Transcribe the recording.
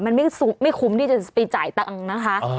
มันไม่คุ้มที่จะไปจ่ายตังค์นะคะ